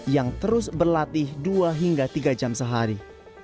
yang terus berlatih dua hingga tiga jam sehari